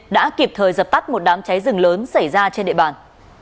đã kịp thời dập tắt một đám cháy rừng lớn xảy ra trên địa bàn